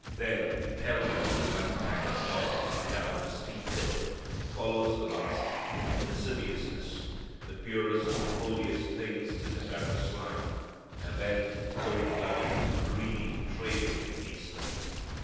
Then pell mell, like a pack of dogs down a steep hill, follows the last "lasciviousness," the purest, holiest things in the gutter slime, and then, cold blooded, greedy trading in these things.